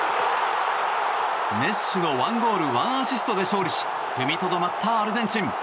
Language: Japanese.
メッシの１ゴール１アシストで勝利し踏みとどまったアルゼンチン。